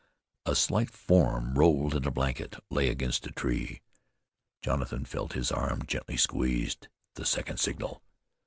A slight form rolled in a blanket lay against a tree. Jonathan felt his arm gently squeezed. The second signal!